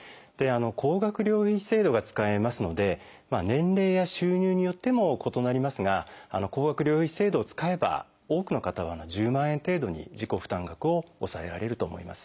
高額療養費制度が使えますので年齢や収入によっても異なりますが高額療養費制度を使えば多くの方は１０万円程度に自己負担額を抑えられると思います。